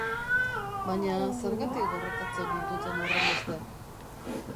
Baina zergatik gorrotatzen ninduten horrenbeste?